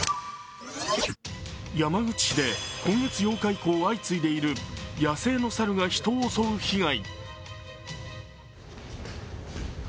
山口市で今月８日以降相次いでいる野生の猿が人を襲う被害。